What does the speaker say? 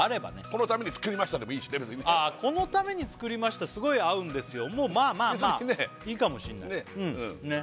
このために作りましたでもいいしね別にねこのために作りましたすごい合うんですよもまあまあまあいいかもしんない別にね